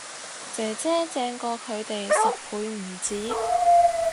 姐姐正過佢哋十倍唔止